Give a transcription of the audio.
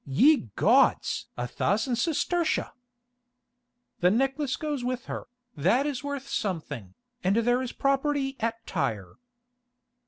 Ye gods! a thousand sestertia!" "The necklace goes with her, that is worth something, and there is property at Tyre."